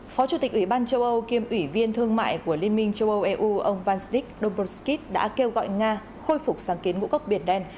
phó chủ tịch ủy ban châu âu kiêm ủy viên thương mại của liên minh châu âu eu ông vansdik doborsky đã kêu gọi nga khôi phục sáng kiến ngũ cốc biển đen